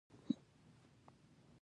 افغانان مېړني خلک دي.